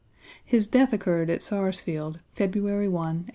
His death occurred at Sarsfield, February 1, 1885.